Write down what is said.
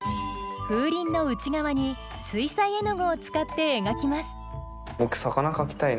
風鈴の内側に水彩絵の具を使って描きます